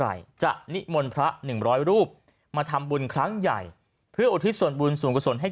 ไหร่จะนิมนต์พระ๑๐๐รูปมาทำบุญครั้งใหญ่เพื่ออุทิศส่วนบุญส่วนกษนให้